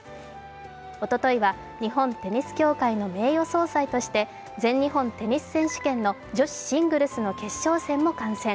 おとといは日本テニス協会の名誉総裁として、全日本テニス選手権の女子シングルスの決勝戦も観戦。